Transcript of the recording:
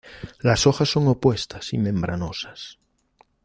Las hojas son opuestas y membranosas.